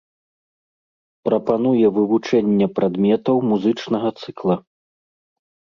Прапануе вывучэнне прадметаў музычнага цыкла.